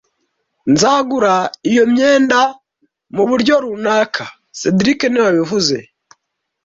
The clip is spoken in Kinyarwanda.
Nzagura iyo myenda muburyo runaka cedric niwe wabivuze